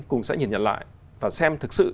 cùng sẽ nhìn nhận lại và xem thực sự